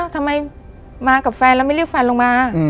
ทำไมมากับแฟนแล้วไม่รีบแฟนลงมา